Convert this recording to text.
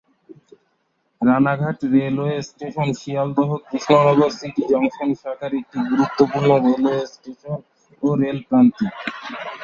Ranaghat railway station Sealdah- Krishnanagar city junction শাখার একটি গুরুত্বপূর্ণ রেলওয়ে স্টেশন ও রেল প্রান্তিক।